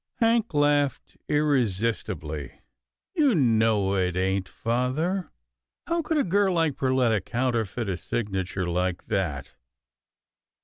Hank laughed irresistibly. " You know it ain't, father. How could a girl like Perletta counterfeit a signature like that